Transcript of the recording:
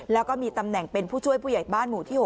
แล้วก็มีตำแหน่งเป็นผู้ช่วยผู้ใหญ่บ้านหมู่ที่๖